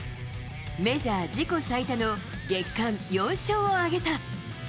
メジャー自己最多の月間４勝を挙げた。